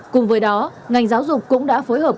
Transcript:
cùng với đó ngành giáo dục cũng đã phối hợp